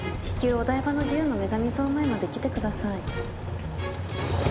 お台場の自由の女神像前まで来てください。